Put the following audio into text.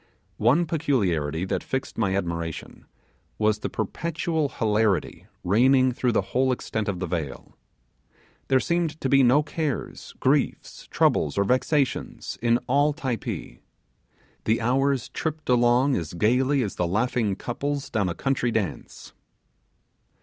One peculiarity that fixed my admiration was the perpetual hilarity reigning through the whole extent of the vale. There seemed to be no cares, griefs, troubles, or vexations, in all Typee. The hours tripped along as gaily as the laughing couples down a country dance.